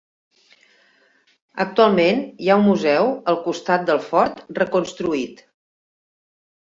Actualment, hi ha un museu al costat del fort reconstruït.